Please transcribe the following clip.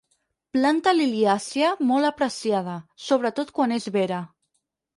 Planta liliàcia molt apreciada, sobretot quan és vera.